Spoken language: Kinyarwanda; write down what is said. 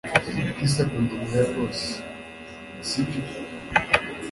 Chris akunda Mariya rwose sibyo